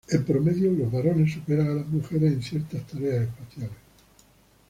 En promedio, los varones superan a las mujeres en ciertas tareas espaciales.